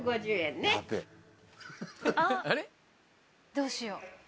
どうしよう。